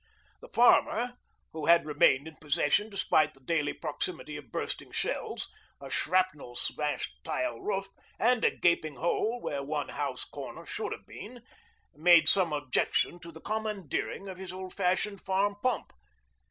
The farmer, who had remained in possession despite the daily proximity of bursting shells, a shrapnel smashed tile roof, and a gaping hole where one house corner should have been, made some objection to the commandeering of his old fashioned farm pump.